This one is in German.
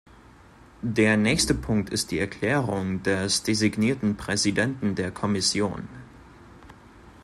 Der nächste Punkt ist die Erklärung des designierten Präsidenten der Kommission.